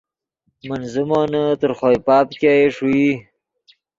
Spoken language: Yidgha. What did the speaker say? من زیمونے تر خوئے پاپ ګئے ݰوئے